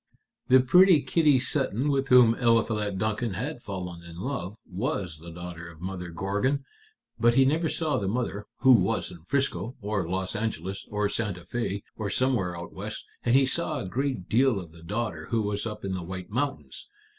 "The pretty Kitty Sutton with whom Eliphalet Duncan had fallen in love was the daughter of Mother Gorgon. But he never saw the mother, who was in Frisco, or Los Angeles, or Santa Fé, or somewhere out West, and he saw a great deal of the daughter, who was up in the White Mountains.